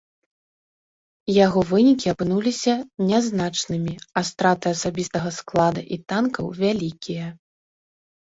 Яго вынікі апынуліся нязначнымі, а страты асабістага склада і танкаў вялікія.